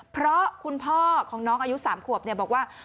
เพราะคุณพ่อของน้องอายุ๓ขวบบอกว่า